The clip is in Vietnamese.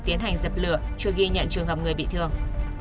tiến hành dập lửa chưa ghi nhận trường hợp người bị thương